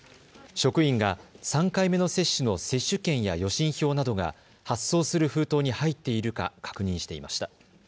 職員が３回目の接種の接種券や予診票などが発送する封筒に入っているか確認していました。